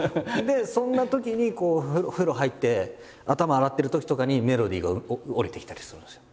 そんなときに風呂入って頭洗っているときとかにメロディーが降りてきたりするんですよ。